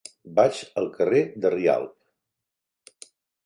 Vaig al carrer de Rialb.